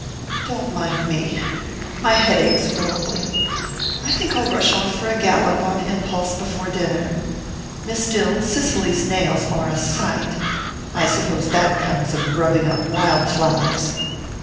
"Don't mind me my head aches horribly. I think I'll rush off for a gallop on Impulse before dinner. Miss Dill, Cicely's nails are a sight I suppose that comes of grubbing up wild flowers."